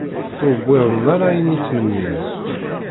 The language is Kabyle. Ur wwiḍen ara ayen i ttmennin.